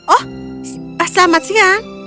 oh selamat siang